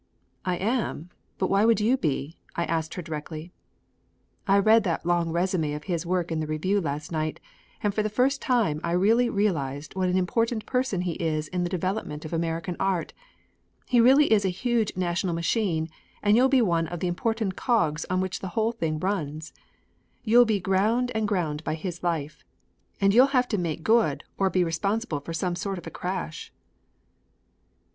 "I am; but why would you be?" I asked her directly. "I read that long résumé of his work in the Review last night and for the first time I really realized what an important person he is to the development of American art. He really is a huge national machine and you'll be one of the important cogs on which the whole thing runs. You'll be ground and ground by his life and you'll have to make good or be responsible for some sort of a crash."